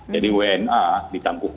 jadi wna ditangkut